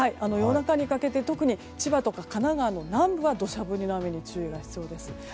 夜中にかけて特に千葉とか神奈川の南部は土砂降りの雨に注意が必要です。